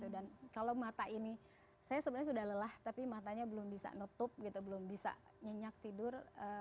dan kalau mata ini saya sebenarnya sudah lelah tapi matanya belum bisa menutup belum bisa nyenyak tidur